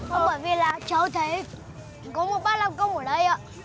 không bởi vì là cháu thấy có một bát lao công ở đây ạ